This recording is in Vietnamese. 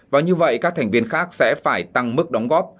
và như vậy các thành viên khác sẽ phải tăng mức đóng góp